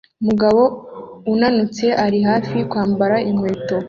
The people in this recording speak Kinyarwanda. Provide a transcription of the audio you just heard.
Umugabo unanutse ari hafi kwambara inkweto